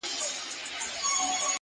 او ستا د خوب مېلمه به.